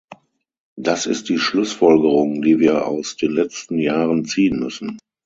Das ist die Schlussfolgerung, die wir aus den letzten Jahren ziehen müssen.